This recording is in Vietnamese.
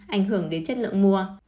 ảnh hưởng đến chất lượng mua